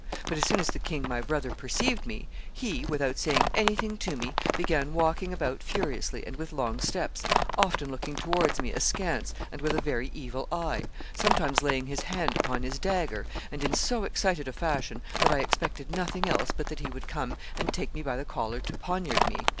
But as soon as the king my brother perceived me, he, without saying anything to me, began walking about furiously and with long steps, often looking towards me askance and with a very evil eye, sometimes laying his hand upon his dagger, and in so excited a fashion that I expected nothing else but that he would come and take me by the collar to poniard me.